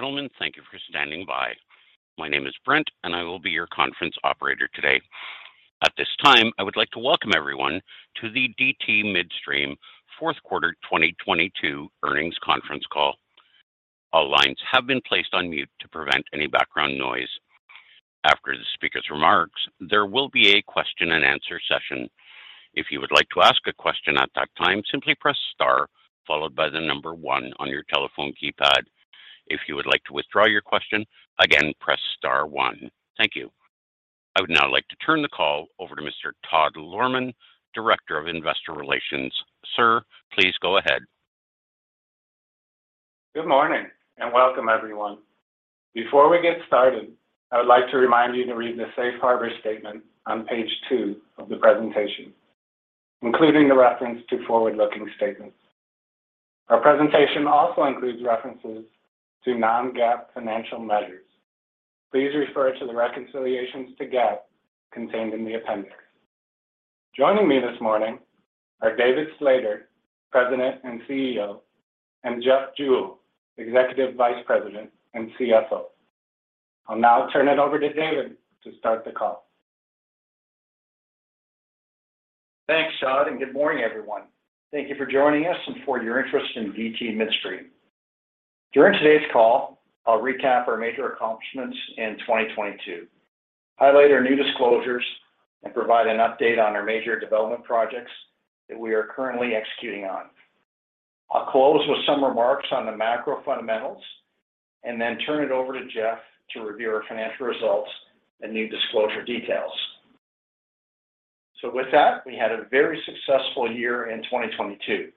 Ladies and gentlemen, thank you for standing by. My name is Brent, and I will be your conference operator today. At this time, I would like to welcome everyone to the DT Midstream fourth quarter 2022 earnings conference call. All lines have been placed on mute to prevent any background noise. After the speaker's remarks, there will be a question and answer session. If you would like to ask a question at that time, simply press star followed by the number one on your telephone keypad. If you would like to withdraw your question, again, press star one. Thank you. I would now like to turn the call over to Mr. Todd Lohrmann, Director of Investor Relations. Sir, please go ahead. Good morning, welcome, everyone. Before we get started, I would like to remind you to read the safe harbor statement on page two of the presentation, including the reference to forward-looking statements. Our presentation also includes references to non-GAAP financial measures. Please refer to the reconciliations to GAAP contained in the appendix. Joining me this morning are David Slater, President and CEO, and Jeffrey Jewell, Executive Vice President and CFO. I'll now turn it over to David to start the call. Thanks, Todd, and good morning, everyone. Thank you for joining us and for your interest in DT Midstream. During today's call, I'll recap our major accomplishments in 2022, highlight our new disclosures, and provide an update on our major development projects that we are currently executing on. I'll close with some remarks on the macro fundamentals and then turn it over to Jeff to review our financial results and new disclosure details. With that, we had a very successful year in 2022,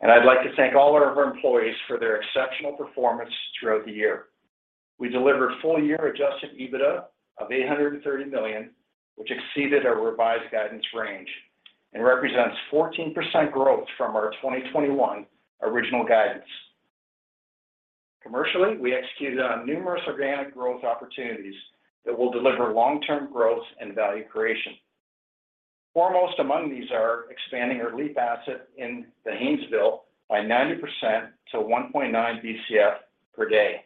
and I'd like to thank all of our employees for their exceptional performance throughout the year. We delivered full year adjusted EBITDA of $830 million, which exceeded our revised guidance range and represents 14% growth from our 2021 original guidance. Commercially, we executed on numerous organic growth opportunities that will deliver long-term growth and value creation. Foremost among these are expanding our LEAP asset in the Haynesville by 90% to 1.9 Bcf per day,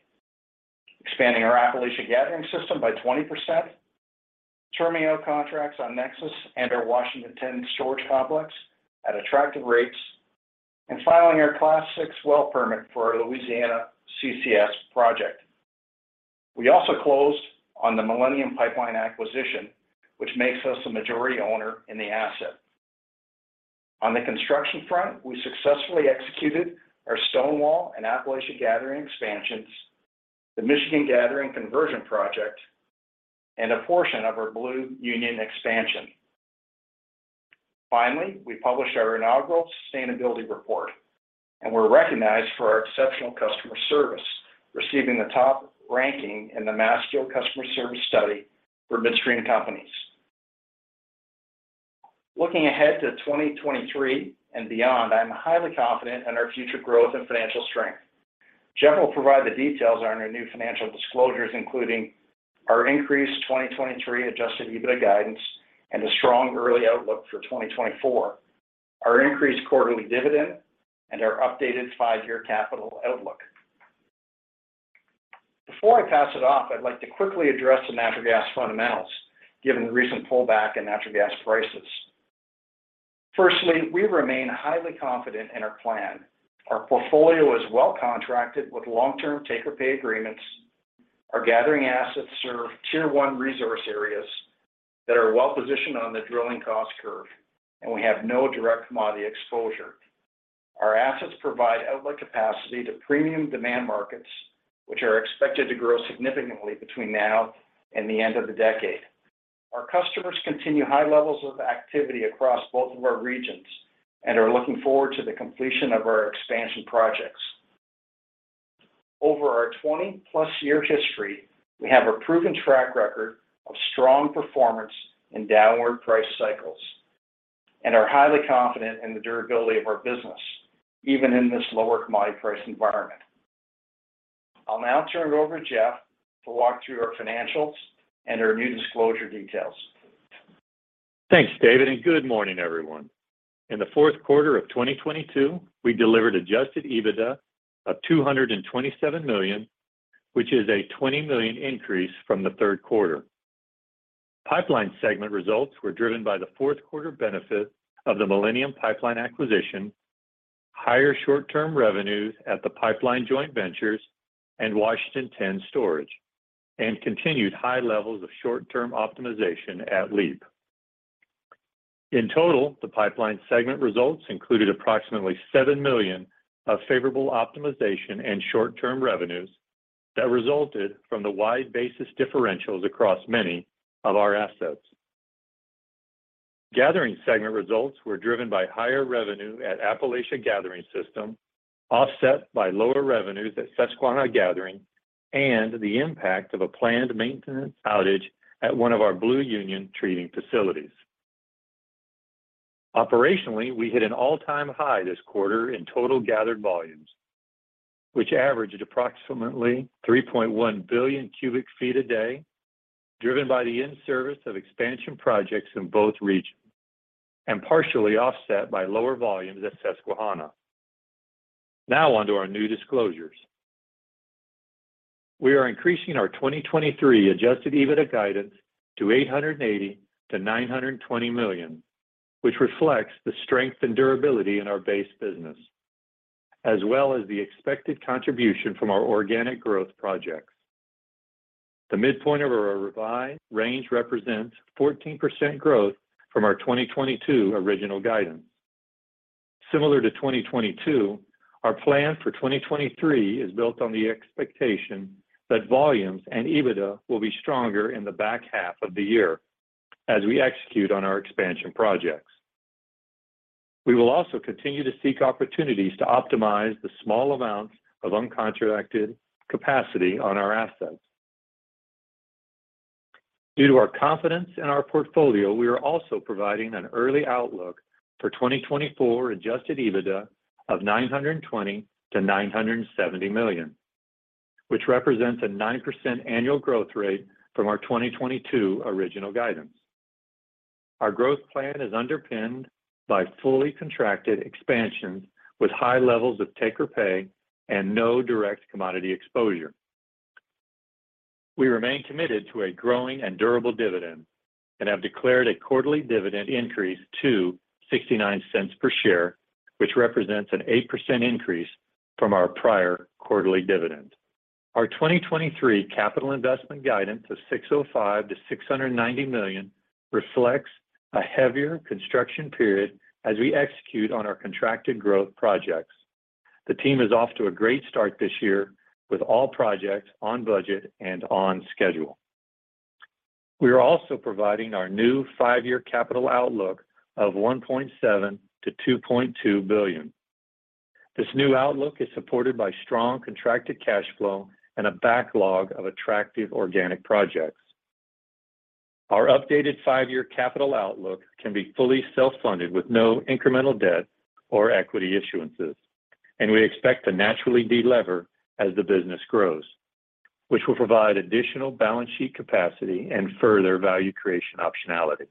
expanding our Appalachia Gathering System by 20%, terming out contracts on NEXUS and our Washington 10 Storage Complex at attractive rates, and filing our Class VI well permit for our Louisiana CCS project. We also closed on the Millennium Pipeline Acquisition, which makes us a majority owner in the asset. On the construction front, we successfully executed our Stonewall and Appalachia Gathering expansions, the Michigan Gathering conversion project, and a portion of our Blue Union expansion. Finally, we published our inaugural sustainability report and were recognized for our exceptional customer service, receiving the top ranking in the Mastio customer service study for midstream companies. Looking ahead to 2023 and beyond, I'm highly confident in our future growth and financial strength. Jeffrey will provide the details on our new financial disclosures, including our increased 2023 adjusted EBITDA guidance and a strong early outlook for 2024, our increased quarterly dividend, and our updated five-year capital outlook. Before I pass it off, I'd like to quickly address the natural gas fundamentals given the recent pullback in natural gas prices. Firstly, we remain highly confident in our plan. Our portfolio is well contracted with long-term take-or-pay agreements. Our gathering assets serve Tier 1 resource areas that are well-positioned on the drilling cost curve, and we have no direct commodity exposure. Our assets provide outlet capacity to premium demand markets, which are expected to grow significantly between now and the end of the decade. Our customers continue high levels of activity across both of our regions and are looking forward to the completion of our expansion projects. Over our 20-plus year history, we have a proven track record of strong performance in downward price cycles and are highly confident in the durability of our business, even in this lower commodity price environment. I'll now turn it over to Jeffrey to walk through our financials and our new disclosure details. Thanks, David, and good morning, everyone. In the fourth quarter of 2022, we delivered adjusted EBITDA of $227 million, which is a $20 million increase from the third quarter. Pipeline segment results were driven by the fourth quarter benefit of the Millennium Pipeline Acquisition, higher short-term revenues at the pipeline joint ventures and Washington 10 Storage, and continued high levels of short-term optimization at LEAP. In total, the pipeline segment results included approximately $7 million of favorable optimization and short-term revenues that resulted from the wide basis differentials across many of our assets. Gathering segment results were driven by higher revenue at Appalachia Gathering System, offset by lower revenues at Susquehanna Gathering and the impact of a planned maintenance outage at one of our Blue Union treating facilities. Operationally, we hit an all-time high this quarter in total gathered volumes, which averaged approximately 3.1 billion cubic feet a day, driven by the in-service of expansion projects in both regions. Partially offset by lower volumes at Susquehanna. Now on to our new disclosures. We are increasing our 2023 adjusted EBITDA guidance to $880 million-$920 million, which reflects the strength and durability in our base business, as well as the expected contribution from our organic growth projects. The midpoint of our revised range represents 14% growth from our 2022 original guidance. Similar to 2022, our plan for 2023 is built on the expectation that volumes and EBITDA will be stronger in the back half of the year as we execute on our expansion projects. We will also continue to seek opportunities to optimize the small amounts of uncontracted capacity on our assets. Due to our confidence in our portfolio, we are also providing an early outlook for 2024 adjusted EBITDA of $920 million-$970 million, which represents a 9% annual growth rate from our 2022 original guidance. Our growth plan is underpinned by fully contracted expansions with high levels of take-or-pay and no direct commodity exposure. We remain committed to a growing and durable dividend and have declared a quarterly dividend increase to $0.69 per share, which represents an 8% increase from our prior quarterly dividend. Our 2023 capital investment guidance of $605 million-$690 million reflects a heavier construction period as we execute on our contracted growth projects. The team is off to a great start this year with all projects on budget and on schedule. We are also providing our new five-year capital outlook of $1.7 billion-$2.2 billion. This new outlook is supported by strong contracted cash flow and a backlog of attractive organic projects. Our updated five-year capital outlook can be fully self-funded with no incremental debt or equity issuances, and we expect to naturally delever as the business grows, which will provide additional balance sheet capacity and further value creation optionality.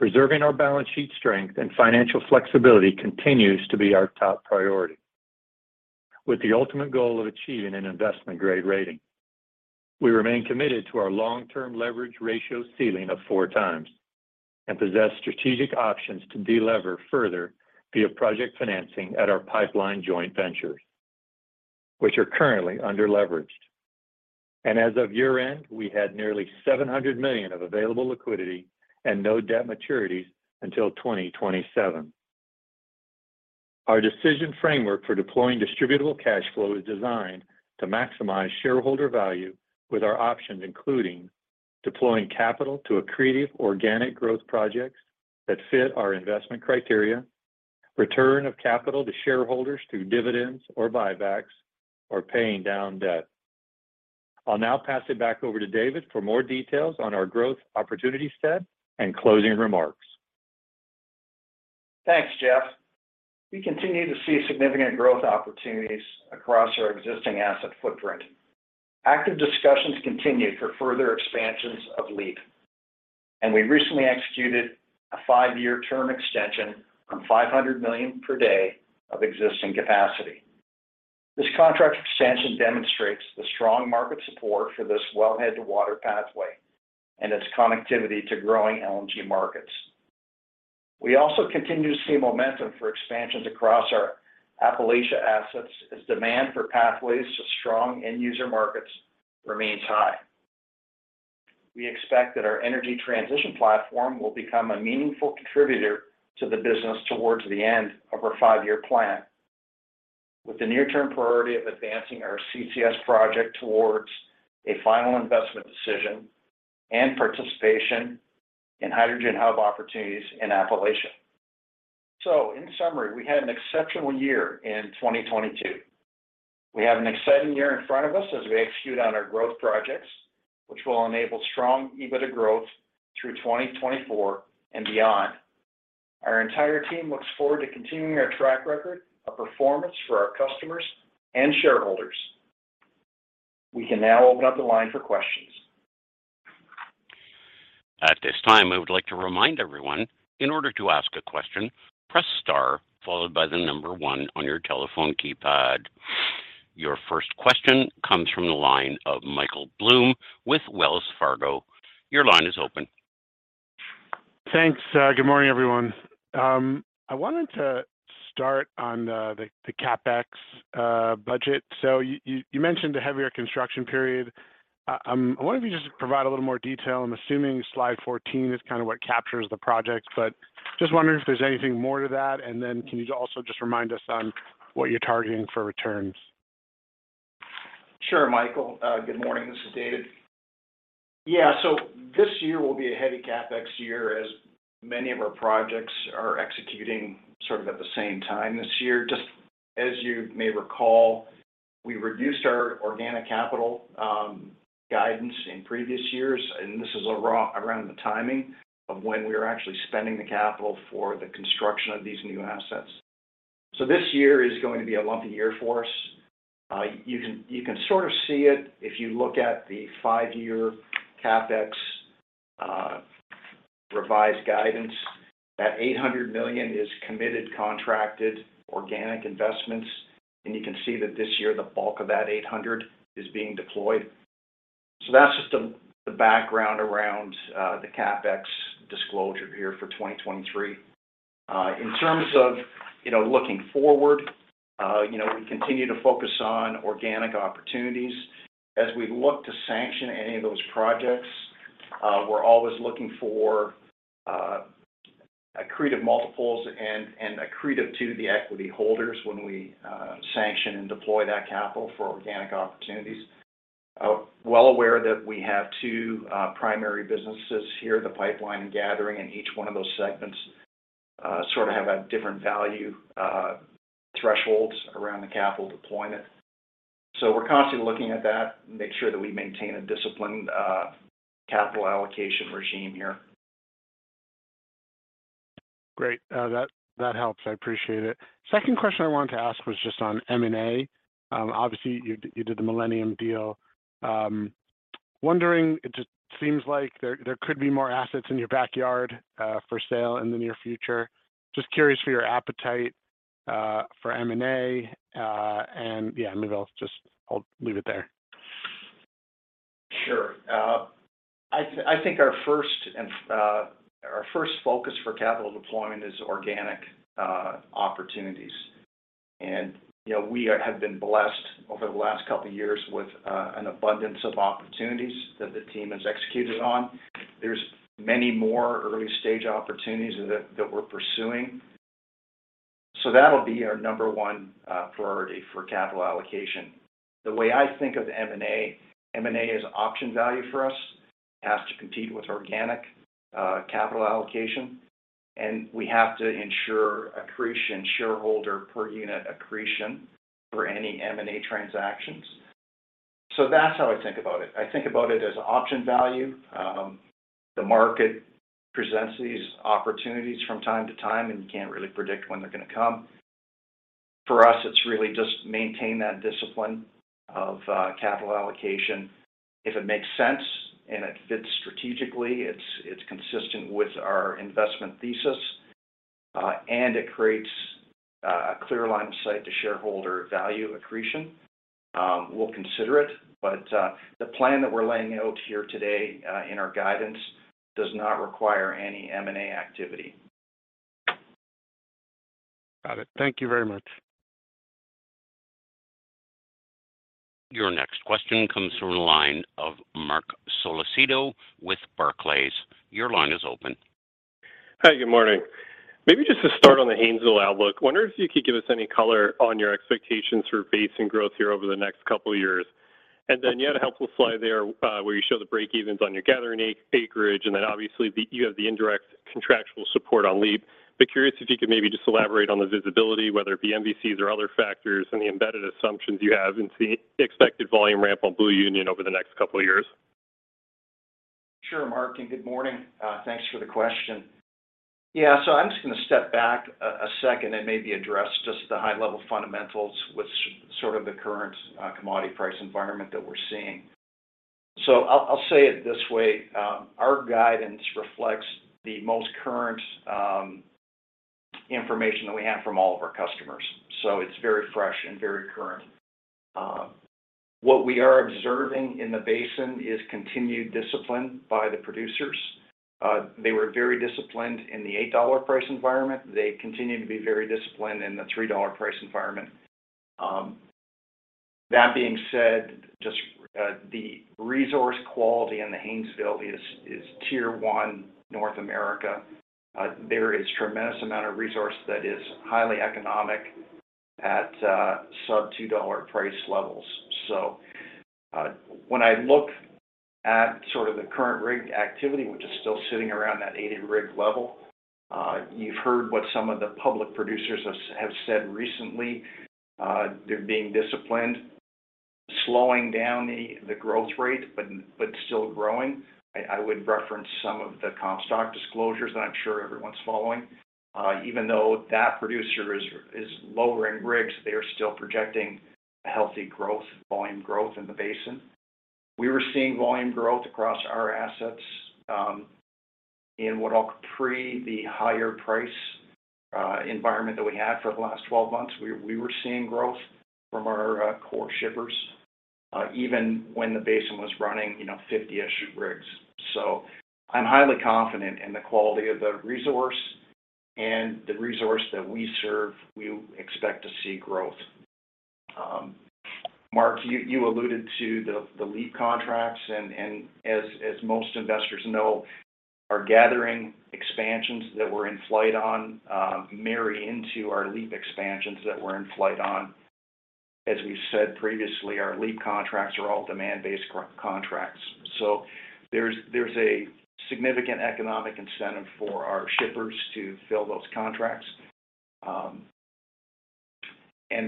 Preserving our balance sheet strength and financial flexibility continues to be our top priority, with the ultimate goal of achieving an investment-grade rating. We remain committed to our long-term leverage ratio ceiling of 4x and possess strategic options to delever further via project financing at our pipeline joint ventures, which are currently underleveraged. As of year-end, we had nearly $700 million of available liquidity and no debt maturities until 2027. Our decision framework for deploying distributable cash flow is designed to maximize shareholder value with our options, including deploying capital to accretive organic growth projects that fit our investment criteria, return of capital to shareholders through dividends or buybacks, or paying down debt. I'll now pass it back over to David for more details on our growth opportunity set and closing remarks. Thanks, Jeffrey. We continue to see significant growth opportunities across our existing asset footprint. Active discussions continue for further expansions of LEAP, we recently executed a five-year term extension on 500 million per day of existing capacity. This contract expansion demonstrates the strong market support for this wellhead-to-water pathway and its connectivity to growing LNG markets. We also continue to see momentum for expansions across our Appalachia assets as demand for pathways to strong end user markets remains high. We expect that our energy transition platform will become a meaningful contributor to the business towards the end of our five-year plan, with the near-term priority of advancing our CCS project towards a final investment decision and participation in Hydrogen Hubs opportunities in Appalachia. In summary, we had an exceptional year in 2022. We have an exciting year in front of us as we execute on our growth projects, which will enable strong EBITDA growth through 2024 and beyond. Our entire team looks forward to continuing our track record of performance for our customers and shareholders. We can now open up the line for questions. At this time, I would like to remind everyone, in order to ask a question, press star followed by number one on your telephone keypad. Your first question comes from the line of Michael Blum with Wells Fargo. Your line is open. Thanks. Good morning, everyone. I wanted to start on the CapEx budget. You mentioned a heavier construction period. I wonder if you could just provide a little more detail. I'm assuming slide 14 is kind of what captures the project, but just wondering if there's anything more to that. Can you also just remind us on what you're targeting for returns? Sure, Michael. Good morning. This is David. Yeah. This year will be a heavy CapEx year as many of our projects are executing sort of at the same time this year. Just as you may recall, we reduced our organic capital guidance in previous years, this is around the timing of when we are actually spending the capital for the construction of these new assets. This year is going to be a lumpy year for us. You can sort of see it if you look at the five-year CapEx revised guidance. That $800 million is committed, contracted organic investments, you can see that this year the bulk of that $800 is being deployed. That's just the background around the CapEx disclosure here for 2023. In terms of, you know, looking forward, you know, we continue to focus on organic opportunities. As we look to sanction any of those projects, we're always looking for accretive multiples and accretive to the equity holders when we sanction and deploy that capital for organic opportunities. Well aware that we have two primary businesses here, the pipeline and gathering, and each one of those segments sort of have a different value thresholds around the capital deployment. We're constantly looking at that, make sure that we maintain a disciplined capital allocation regime here. Great. That helps. I appreciate it. Second question I wanted to ask was just on M&A. Obviously, you did the Millennium deal. Wondering, it just seems like there could be more assets in your backyard for sale in the near future. Just curious for your appetite for M&A. Yeah, maybe I'll leave it there. Sure. I think our first and our first focus for capital deployment is organic opportunities. And, you know, we have been blessed over the last couple of years with an abundance of opportunities that the team has executed on. There's many more early-stage opportunities that we're pursuing. That'll be our number one priority for capital allocation. The way I think of M&A, M&A is option value for us. It has to compete with organic capital allocation, and we have to ensure accretion, shareholder per unit accretion for any M&A transactions. That's how I think about it. I think about it as option value. The market presents these opportunities from time to time, and you can't really predict when they're going to come. For us, it's really just maintain that discipline of capital allocation. If it makes sense and it fits strategically, it's consistent with our investment thesis, and it creates a clear line of sight to shareholder value accretion, we'll consider it. The plan that we're laying out here today, in our guidance does not require any M&A activity. Got it. Thank you very much. Your next question comes from the line of Marc Solecitto with Barclays. Your line is open. Hi. Good morning. Maybe just to start on the Haynesville outlook, wonder if you could give us any color on your expectations for basin growth here over the next couple of years. You had a helpful slide there, where you show the break evens on your gathering acreage, and then obviously you have the indirect contractual support on LEAP. Curious if you could maybe just elaborate on the visibility, whether it be MVCs or other factors, and the embedded assumptions you have in the expected volume ramp on Blue Union over the next couple of years. Sure, Marc. Good morning. Thanks for the question. Yeah. I'm just gonna step back a second and maybe address just the high level fundamentals with sort of the current commodity price environment that we're seeing. I'll say it this way. Our guidance reflects the most current information that we have from all of our customers. It's very fresh and very current. What we are observing in the basin is continued discipline by the producers. They were very disciplined in the $8 price environment. They continue to be very disciplined in the $3 price environment. That being said, just the resource quality in the Haynesville is Tier 1 North America. There is tremendous amount of resource that is highly economic at sub $2 price levels. When I look at sort of the current rig activity, which is still sitting around that 80 rig level, you've heard what some of the public producers have said recently. They're being disciplined, slowing down the growth rate, but still growing. I would reference some of the Comstock disclosures that I'm sure everyone's following. Even though that producer is lowering rigs, they are still projecting healthy growth, volume growth in the basin. We were seeing volume growth across our assets, in the higher price environment that we had for the last 12 months. We were seeing growth from our core shippers, even when the basin was running, you know, 50-ish rigs. I'm highly confident in the quality of the resource and the resource that we serve, we expect to see growth. Marc, you alluded to the LEAP contracts and as most investors know, our gathering expansions that we're in flight on, marry into our LEAP expansions that we're in flight on. As we said previously, our LEAP contracts are all demand-based contracts. There's a significant economic incentive for our shippers to fill those contracts.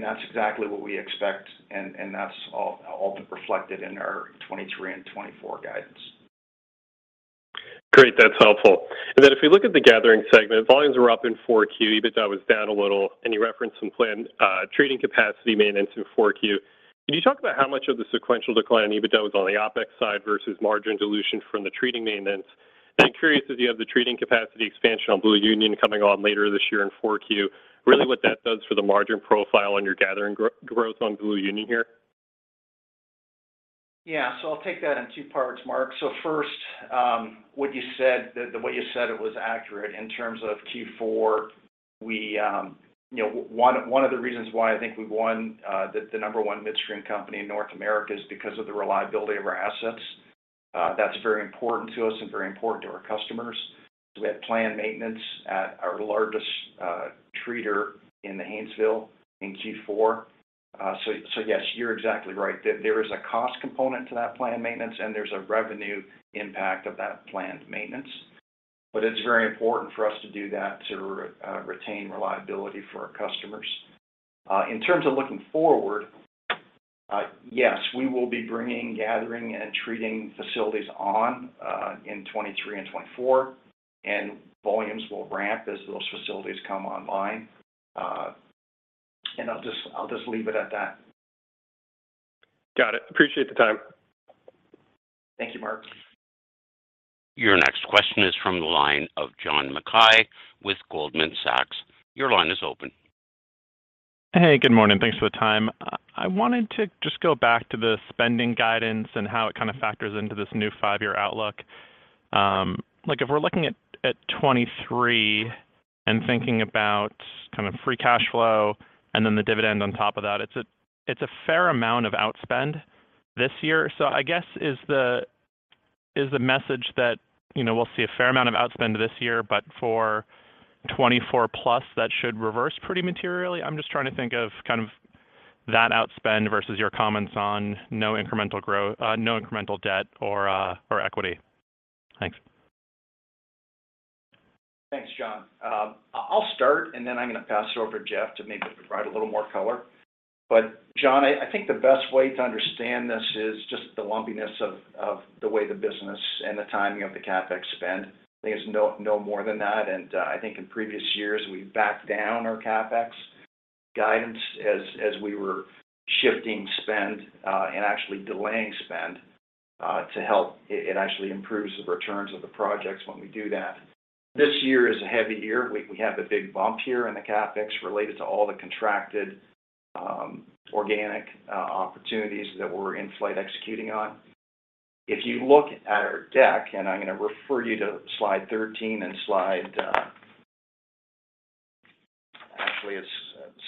That's exactly what we expect, and that's all been reflected in our 2023 and 2024 guidance. Great. That's helpful. If we look at the gathering segment, volumes were up in Q4, EBITDA was down a little, and you referenced some plan treating capacity maintenance in Q4. Can you talk about how much of the sequential decline in EBITDA was on the OpEx side versus margin dilution from the treating maintenance? I'm curious if you have the treating capacity expansion on Blue Union coming on later this year in Q4. Really what that does for the margin profile and your gathering growth on Blue Union here. Yeah. I'll take that in two parts, Marc. First, what you said, what you said it was accurate in terms of Q4. We, you know, one of the reasons why I think we won the number one midstream company in North America is because of the reliability of our assets. That's very important to us and very important to our customers. We had planned maintenance at our largest treater in the Haynesville in Q4. Yes, you're exactly right. There is a cost component to that planned maintenance, and there's a revenue impact of that planned maintenance. It's very important for us to do that to retain reliability for our customers. In terms of looking forward, yes, we will be bringing gathering and treating facilities on, in 2023 and 2024, and volumes will ramp as those facilities come online. I'll just leave it at that. Got it. Appreciate the time. Thank you, Marc. Your next question is from the line of John Mackay with Goldman Sachs. Your line is open. Hey, good morning. Thanks for the time. I wanted to just go back to the spending guidance and how it kind of factors into this new five-year outlook. Like if we're looking at 2023 and thinking about kind of free cash flow and then the dividend on top of that, it's a fair amount of outspend this year. I guess is the message that, you know, we'll see a fair amount of outspend this year, but for 2024 plus that should reverse pretty materially? I'm just trying to think of kind of that outspend versus your comments on no incremental debt or equity. Thanks. Thanks, John. I'll start, and then I'm going to pass it over to Jeffrey to maybe provide a little more color. John, I think the best way to understand this is just the lumpiness of the way the business and the timing of the CapEx spend. I think it's no more than that. I think in previous years, we backed down our CapEx guidance as we were shifting spend and actually delaying spend, it actually improves the returns of the projects when we do that. This year is a heavy year. We have the big bump here in the CapEx related to all the contracted organic opportunities that we're in flight executing on. If you look at our deck, I'm going to refer you to slide 13 and slide... actually it's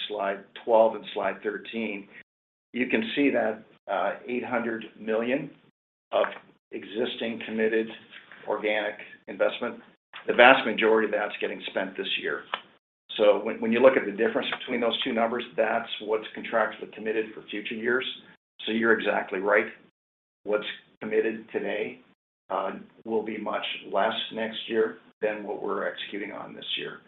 slide 12 and slide 13. You can see that, $800 million of existing committed organic investment. The vast majority of that's getting spent this year. When you look at the difference between those two numbers, that's what's contracted and committed for future years. You're exactly right. What's committed today, will be much less next year than what we're executing on this year.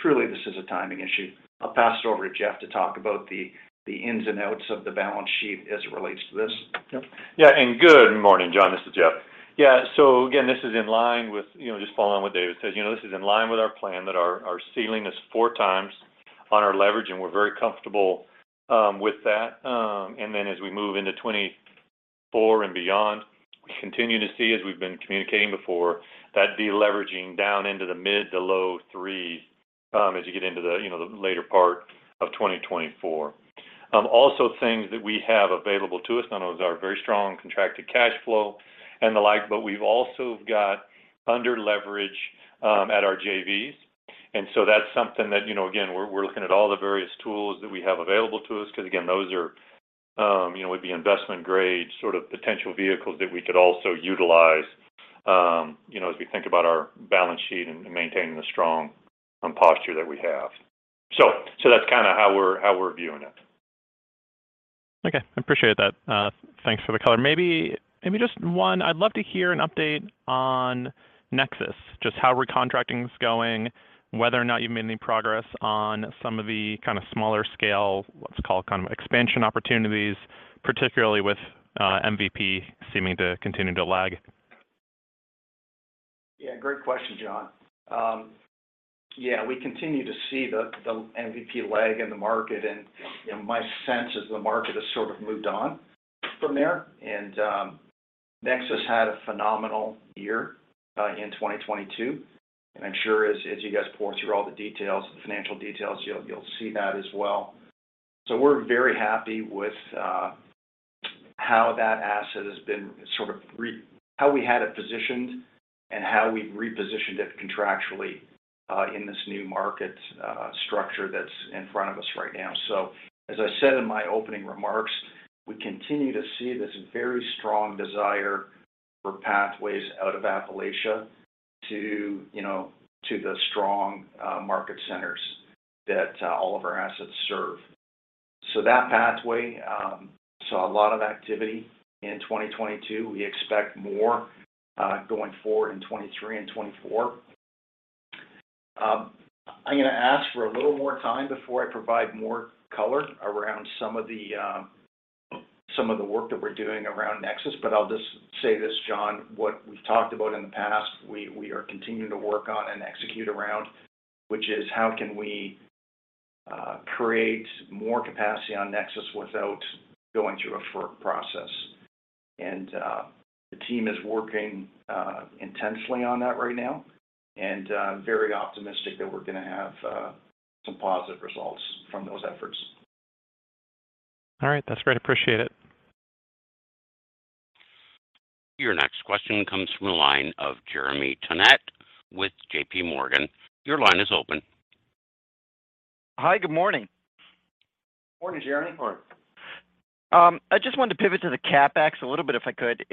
Truly, this is a timing issue. I'll pass it over to Jeffrey to talk about the ins and outs of the balance sheet as it relates to this. Yeah. Good morning, John. This is Jeffrey. Again, this is in line with, you know, just following what David said. You know, this is in line with our plan that our ceiling is four times on our leverage, and we're very comfortable with that. As we move into 2024 and beyond, we continue to see, as we've been communicating before, that deleveraging down into the mid to low 3s, as you get into the, you know, the later part of 2024. Also things that we have available to us, not only is our very strong contracted cash flow and the like, but we've also got under leverage at our JVs. That's something that, you know, again, we're looking at all the various tools that we have available to us because again those are, you know, would be investment-grade sort of potential vehicles that we could also utilize, you know, as we think about our balance sheet and maintaining the strong posture that we have. That's kind of how we're viewing it. Okay. I appreciate that. Thanks for the color. Maybe just one. I'd love to hear an update on NEXUS, just how recontracting is going, whether or not you've made any progress on some of the kind of smaller scale, let's call it kind of expansion opportunities, particularly with MVP seeming to continue to lag. Yeah. Great question, John. Yeah, we continue to see the MVP lag in the market, and, you know, my sense is the market has sort of moved on from there. NEXUS had a phenomenal year in 2022. I'm sure as you guys pore through all the details, the financial details, you'll see that as well. We're very happy with how that asset has been sort of how we had it positioned and how we repositioned it contractually in this new market structure that's in front of us right now. As I said in my opening remarks, we continue to see this very strong desire for pathways out of Appalachia to, you know, to the strong market centers that all of our assets serve. That pathway saw a lot of activity in 2022. We expect more going forward in 2023 and 2024. I'm gonna ask for a little more time before I provide more color around some of the work that we're doing around NEXUS. I'll just say this, John, what we've talked about in the past, we are continuing to work on and execute around, which is how can we create more capacity on NEXUS without going through a FERC process. The team is working intentionally on that right now, and very optimistic that we're gonna have some positive results from those efforts. All right. That's great. Appreciate it. Your next question comes from the line of Jeremy Tonet with JPMorgan. Your line is open. Hi. Good morning. Morning, Jeremy. I just wanted to pivot to the CapEx a little bit, if I could.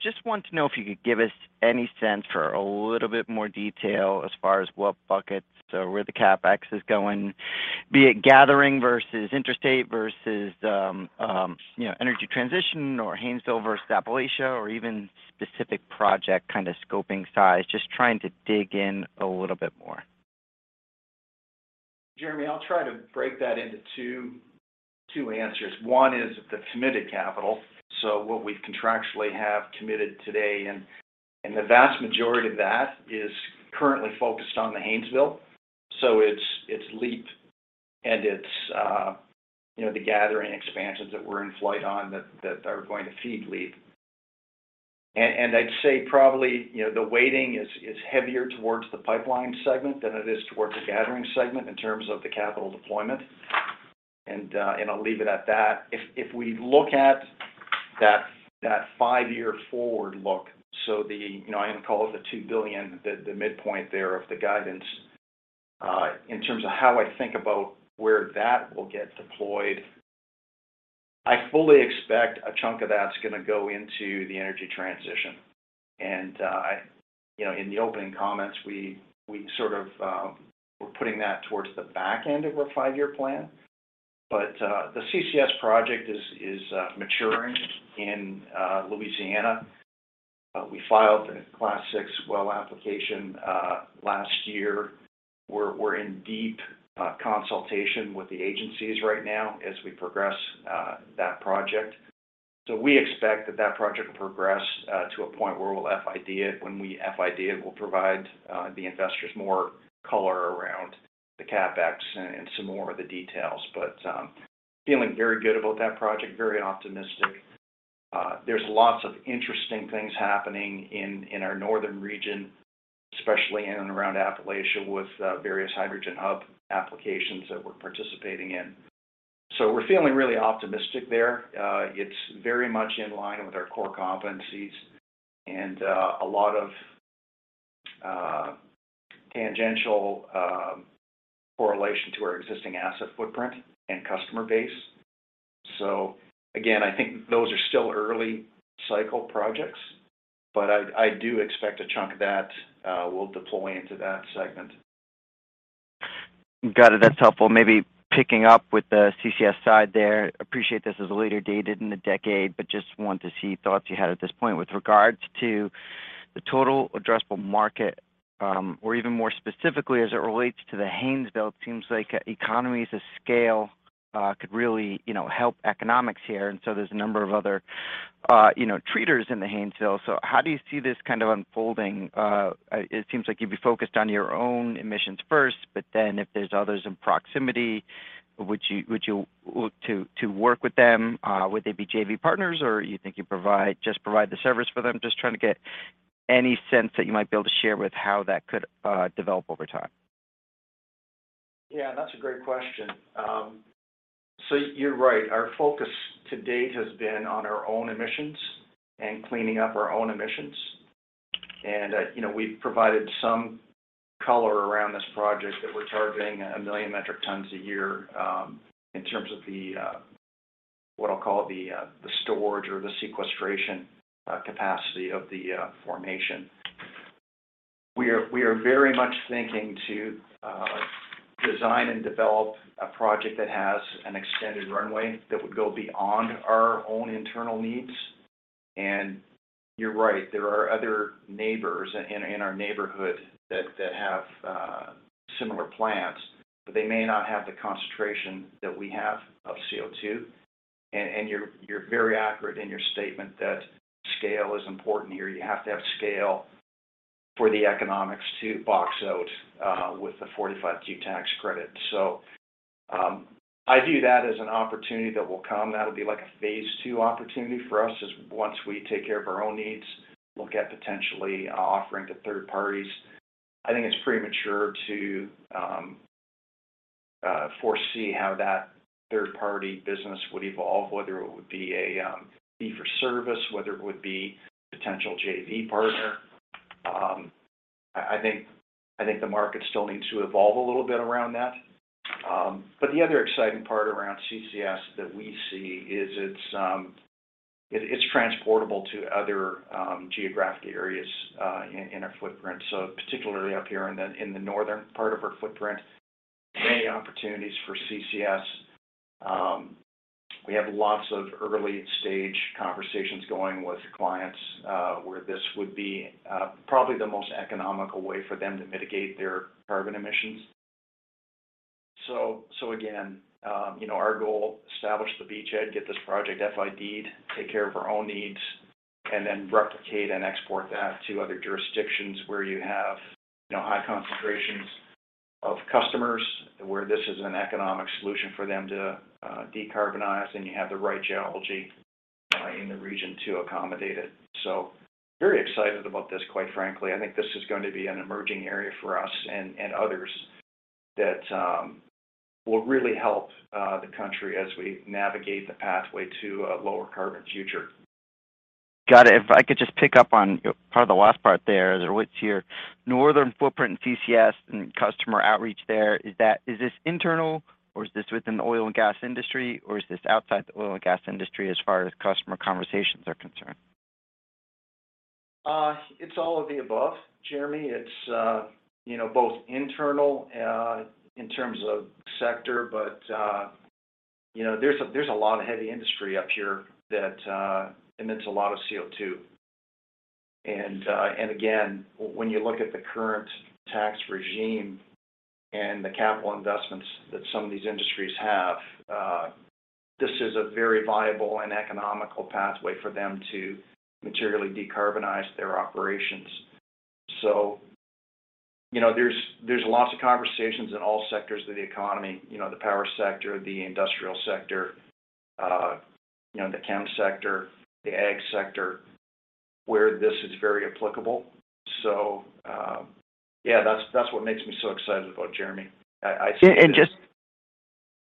Just wanted to know if you could give us any sense for a little bit more detail as far as what buckets or where the CapEx is going, be it gathering versus interstate versus, you know, energy transition or Haynesville versus Appalachia or even specific project kind of scoping size. Just trying to dig in a little bit more. Jeremy, I'll try to break that into two answers. One is the committed capital, so what we contractually have committed today. The vast majority of that is currently focused on the Haynesville, so it's LEAP and it's, you know, the gathering expansions that we're in flight on that are going to feed LEAP. I'd say probably, you know, the weighting is heavier towards the pipeline segment than it is towards the gathering segment in terms of the capital deployment. I'll leave it at that. If we look at that five-year forward look, so the, you know, I call it the $2 billion, the midpoint there of the guidance in terms of how I think about where that will get deployed, I fully expect a chunk of that's gonna go into the energy transition. You know, in the opening comments, we sort of, we're putting that towards the back end of our five-year plan. The CCS project is maturing in Louisiana. We filed the Class VI well application last year. We're in deep consultation with the agencies right now as we progress that project. We expect that that project will progress to a point where we'll FID it. When we FID it, we'll provide the investors more color around the CapEx and some more of the details. Feeling very good about that project, very optimistic. There's lots of interesting things happening in our northern region, especially in and around Appalachia with various Hydrogen Hubs applications that we're participating in. We're feeling really optimistic there. It's very much in line with our core competencies and a lot of tangential correlation to our existing asset footprint and customer base. Again, I think those are still early cycle projects, but I do expect a chunk of that will deploy into that segment. Got it. That's helpful. Maybe picking up with the CCS side there, appreciate this is later dated in the decade, but just wanted to see thoughts you had at this point with regards to the total addressable market, or even more specifically as it relates to the Haynesville. It seems like economies of scale could really, you know, help economics here. There's a number of other, you know, treaters in the Haynesville. How do you see this kind of unfolding? It seems like you'd be focused on your own emissions first. If there's others in proximity, would you look to work with them? Would they be JV partners, or you think you just provide the service for them? Just trying to get any sense that you might be able to share with how that could, develop over time. Yeah, that's a great question. You're right. Our focus to date has been on our own emissions and cleaning up our own emissions. You know, we've provided some color around this project that we're targeting one million metric tons a year, in terms of the what I'll call the the storage or the sequestration capacity of the formation. We are very much thinking to design and develop a project that has an extended runway that would go beyond our own internal needs. You're right, there are other neighbors in our neighborhood that have similar plants, but they may not have the concentration that we have of CO2. You're very accurate in your statement that scale is important here. You have to have scale for the economics to box out with the Section 45Q tax credit. I view that as an opportunity that will come. That'll be like a phase two opportunity for us is once we take care of our own needs, look at potentially offering to third parties. I think it's premature to foresee how that third-party business would evolve, whether it would be a fee for service, whether it would be potential JV partner. I think the market still needs to evolve a little bit around that. The other exciting part around CCS that we see is it's transportable to other geographic areas in our footprint. Particularly up here in the, in the northern part of our footprint, many opportunities for CCS. We have lots of early stage conversations going with clients, where this would be probably the most economical way for them to mitigate their carbon emissions. Again, you know, our goal, establish the beachhead, get this project FIDed, take care of our own needs, and then replicate and export that to other jurisdictions where you have, you know, high concentrations of customers where this is an economic solution for them to decarbonize, and you have the right geology in the region to accommodate it. Very excited about this, quite frankly. I think this is going to be an emerging area for us and others that will really help the country as we navigate the pathway to a lower carbon future. Got it. If I could just pick up on part of the last part there. With your northern footprint in CCS and customer outreach there, is this internal, or is this within the oil and gas industry, or is this outside the oil and gas industry as far as customer conversations are concerned? It's all of the above, Jeremy. It's, you know, both internal, in terms of sector, but, you know, there's a lot of heavy industry up here that emits a lot of CO2. Again, when you look at the current tax regime and the capital investments that some of these industries have, this is a very viable and economical pathway for them to materially decarbonize their operations. You know, there's lots of conversations in all sectors of the economy, you know, the power sector, the industrial sector, you know, the chem sector, the ag sector, where this is very applicable. Yeah, that's what makes me so excited about it, Jeremy. just...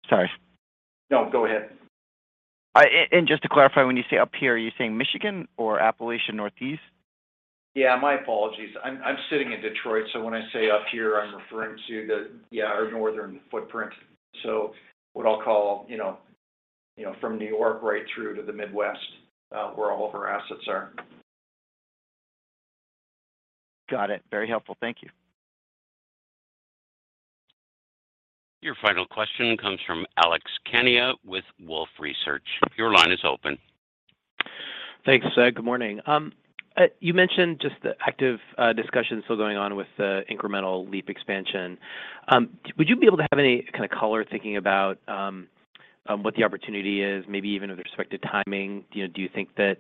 Sorry. No, go ahead. Just to clarify, when you say up here, are you saying Michigan or Appalachian Northeast? Yeah, my apologies. I'm sitting in Detroit, so when I say up here, I'm referring to our northern footprint. What I'll call, you know, from New York right through to the Midwest, where all of our assets are. Got it. Very helpful. Thank you. Your final question comes from Alex Kania with Wolfe Research. Your line is open. Thanks. Good morning. You mentioned just the active discussions still going on with the incremental LEAP expansion. Would you be able to have any kind of color thinking about what the opportunity is, maybe even with respect to timing? You know, do you think that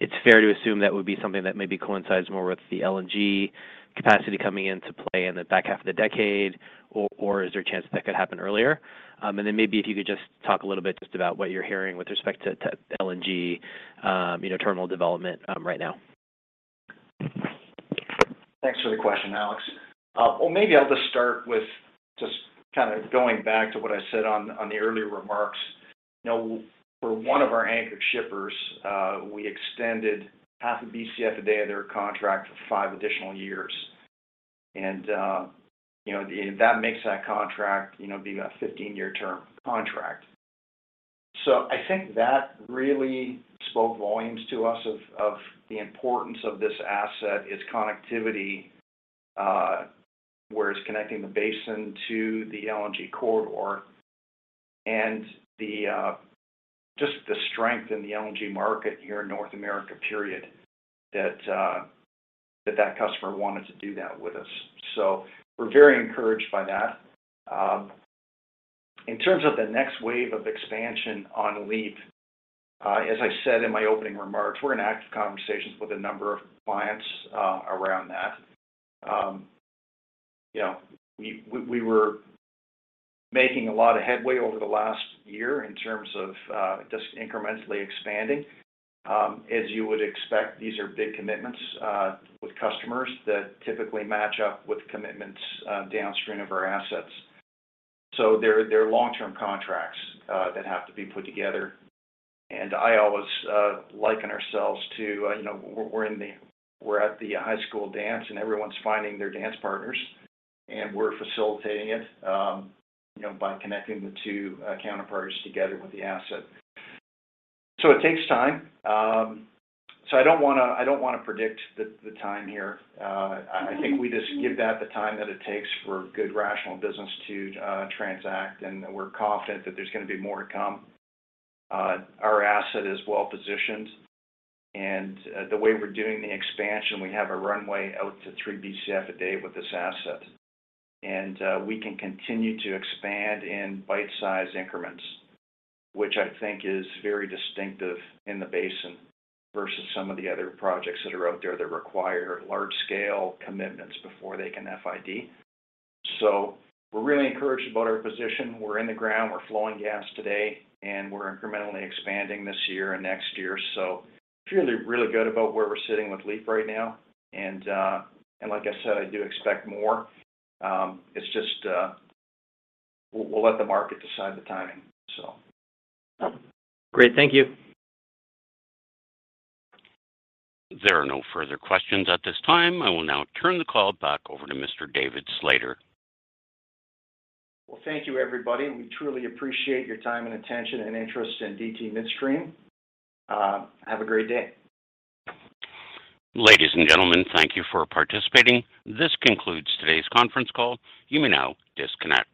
it's fair to assume that would be something that maybe coincides more with the LNG capacity coming into play in the back half of the decade, or is there a chance that could happen earlier? Maybe if you could just talk a little bit just about what you're hearing with respect to LNG, you know, terminal development right now. Thanks for the question, Alex. Well, maybe I'll just start with just kind of going back to what I said on the earlier remarks. You know, for one of our anchored shippers, we extended half a Bcf a day of their contract for five additional years. You know, that makes that contract, you know, being a 15-year term contract. I think that really spoke volumes to us of the importance of this asset, its connectivity, where it's connecting the basin to the LNG corridor, and the just the strength in the LNG market here in North America, period, that customer wanted to do that with us. We're very encouraged by that. In terms of the next wave of expansion on LEAP, as I said in my opening remarks, we're in active conversations with a number of clients around that. You know, we were making a lot of headway over the last year in terms of just incrementally expanding. As you would expect, these are big commitments with customers that typically match up with commitments downstream of our assets. They're long-term contracts that have to be put together. I always liken ourselves to, you know, we're at the high school dance, and everyone's finding their dance partners, and we're facilitating it, you know, by connecting the two counterparties together with the asset. It takes time. I don't wanna predict the time here. I think we just give that the time that it takes for good, rational business to transact, and we're confident that there's gonna be more to come. Our asset is well-positioned, and the way we're doing the expansion, we have a runway out to 3 Bcf a day with this asset. We can continue to expand in bite-size increments, which I think is very distinctive in the basin versus some of the other projects that are out there that require large-scale commitments before they can FID. We're really encouraged about our position. We're in the ground, we're flowing gas today, and we're incrementally expanding this year and next year. Feeling really good about where we're sitting with LEAP right now. Like I said, I do expect more. It's just, we'll let the market decide the timing. So... Great. Thank you. There are no further questions at this time. I will now turn the call back over to Mr. David Slater. Well, thank you, everybody. We truly appreciate your time and attention and interest in DT Midstream. Have a great day. Ladies and gentlemen, thank you for participating. This concludes today's conference call. You may now disconnect.